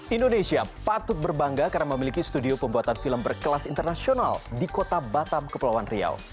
indonesia patut berbangga karena memiliki studio pembuatan film berkelas internasional di kota batam kepulauan riau